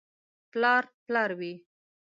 • پلار پلار وي.